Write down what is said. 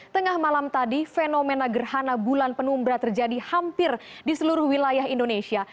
tengah malam tadi fenomena gerhana bulan penumbra terjadi hampir di seluruh wilayah indonesia